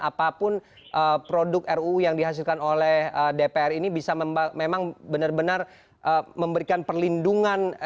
apapun produk ruu yang dihasilkan oleh dpr ini bisa memang benar benar memberikan perlindungan